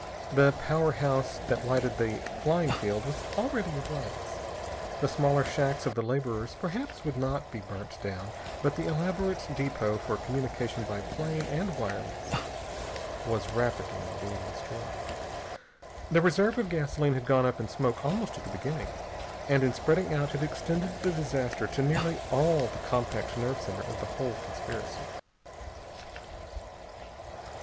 The powerhouse that lighted the landing field was already ablaze. The smaller shacks of the laborers perhaps would not be burnt down, but the elaborate depot for communication by plane and wireless was rapidly being destroyed. The reserve of gasoline had gone up in smoke almost at the beginning, and in spreading out had extended the disaster to nearly all the compact nerve center of the whole conspiracy.